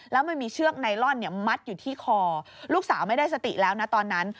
แล้วมันมีเชือกไนลอนมัดอยู่ที่คอลูกสาวไม่ได้สติแล้วนะตอนนั้น